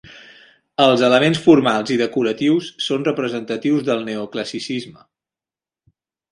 Els elements formals i decoratius són representatius del neoclassicisme.